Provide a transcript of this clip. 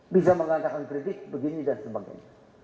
bisa mengatakan kritik begini dan sebagainya